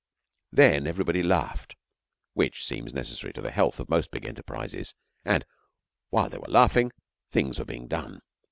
Then everybody laughed, which seems necessary to the health of most big enterprises, and while they were laughing, things were being done.